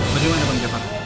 bagaimana bang jafar